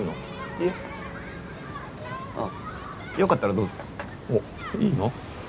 いえあッよかったらどうぞおッいいの？